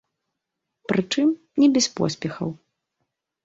Прычым не без поспехаў.